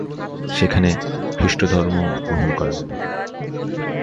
সেখানে খ্রিস্টধর্ম গ্রহণ করেন।